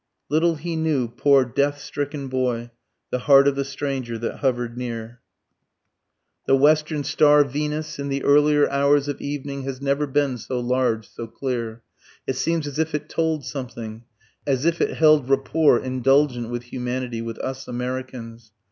Little he knew, poor death stricken boy, the heart of the stranger that hover'd near. The western star, Venus, in the earlier hours of evening has never been so large, so clear; it seems as if it told something, as if it held rapport indulgent with humanity, with us Americans.